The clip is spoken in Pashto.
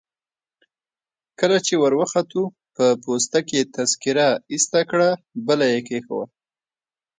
کله چي وروختو په پوسته کي يې تذکیره ایسته کړل، بله يي کښېښول.